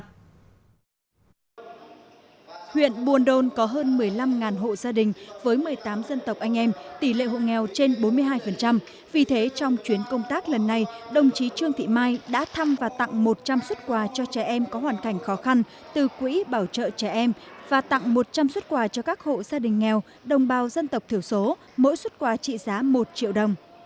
huyện buồn đôn có hơn một mươi năm hộ gia đình với một mươi tám dân tộc anh em tỷ lệ hộ nghèo trên bốn mươi hai vì thế trong chuyến công tác lần này đồng chí trương thị mai đã thăm và tặng một trăm linh xuất quà cho trẻ em có hoàn cảnh khó khăn từ quỹ bảo trợ trẻ em và tặng một trăm linh xuất quà cho các hộ gia đình nghèo đồng bào dân tộc thiểu số mỗi xuất quà trị giá một triệu đồng